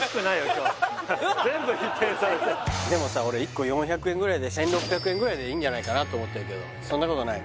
今日全部否定されてでもさ俺１個４００円ぐらいで１６００円ぐらいでいいんじゃないかなと思ってるけどそんなことない？